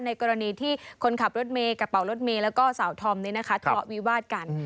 กรณีที่คนขับรถเมย์กระเป๋ารถเมย์แล้วก็สาวธอมนี้นะคะทะเลาะวิวาดกัน